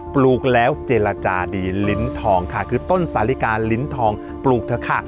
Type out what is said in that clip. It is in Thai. ปลูกแล้วเจรจาดีลิ้นทองค่ะคือต้นสาลิกาลิ้นทองปลูกเถอะค่ะ